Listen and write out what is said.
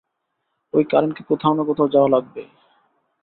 ঐ কারেন্টকে কোথাও না কোথাও যাওয়া লাগবেই।